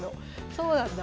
そうなんだ。